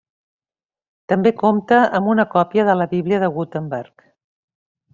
També compta amb una còpia de la Bíblia de Gutenberg.